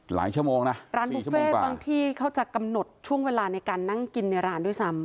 ชั่วโมงนะร้านบุฟเฟ่บางที่เขาจะกำหนดช่วงเวลาในการนั่งกินในร้านด้วยซ้ำ